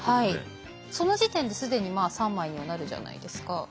その時点で既に３枚にはなるじゃないですか。